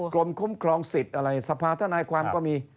กรมคุ้มครองสิทธิ์อะไรสภาธนายความก็มี